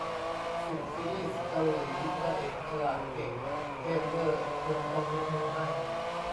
สิบ ซีรีส์เกาหลีพระเอกฉลาด เก่งเทพเว่อร์ จนต้องยกนิ้วให้